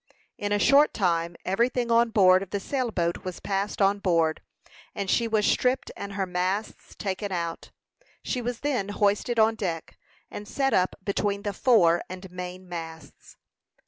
In a short time every thing on board of the sail boat was passed on board, and she was stripped and her masts taken out. She was then hoisted on deck, and set up between the fore and main masts.